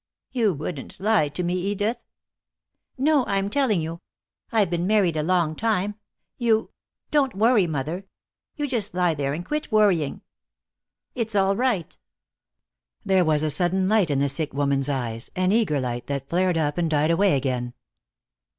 "You wouldn't lie to me, Edith?" "No. I'm telling you. I've been married a long time. You don't you worry, mother. You just lie there and quit worrying. It's all right." There was a sudden light in the sick woman's eyes, an eager light that flared up and died away again.